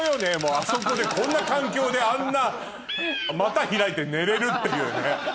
あそこでこんな環境であんな股開いて寝れるっていうね。